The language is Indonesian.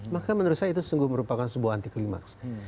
maka menurut saya itu sungguh merupakan sebuah anti klimaks